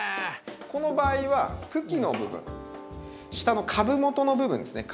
この場合は茎の部分下の株元の部分ですね